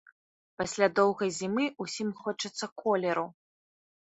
Пасля доўгай зімы ўсім хочацца колеру.